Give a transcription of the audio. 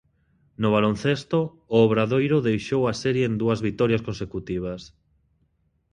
No baloncesto, o Obradoiro deixou a serie en dúas vitorias consecutivas.